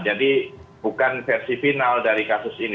jadi bukan versi final dari kasus ini